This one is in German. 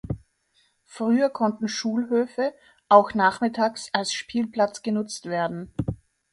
Früher konnten Schulhöfe auch nachmittags als Spielplatz genutzt werden.